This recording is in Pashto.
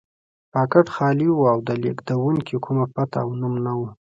پاکټ خالي و او د لېږونکي کومه پته او نوم نه و.